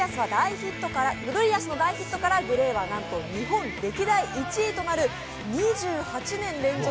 「グロリアス」の大ヒットから、ＧＬＡＹはなんと日本歴代１位となる２８年連続